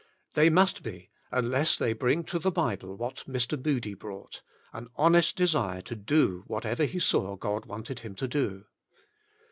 They must be, unless they bring to the Bible what Mr. Moody brought : an" Honest Desire to Do What ever He Saw God Wanted Him to Do.